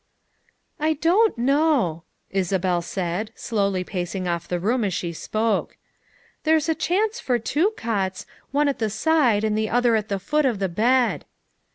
"I don't know," Isabel said, slowly pacing off the room as she spoke. " There's a chance for two cots, one at the side and the other at the foot of the bed."